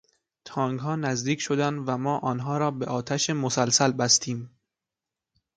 تانکها نزدیک شدند و ما آنها را به آتش مسلسل بستیم.